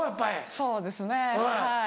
そうですねはい。